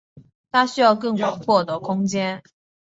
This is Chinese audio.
他需要更广阔的空间。